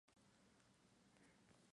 Su primer tutor era Amin Azar.